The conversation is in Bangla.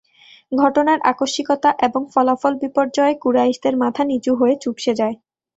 ঘটনার আকস্মিকতা এবং ফলাফল বিপর্যয়ে কুরাইশদের মাথা নীচু হয়ে চুপসে যায়।